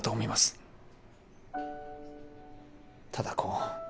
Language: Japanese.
ただこう。